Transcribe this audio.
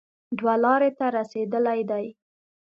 دوه لارې ته رسېدلی دی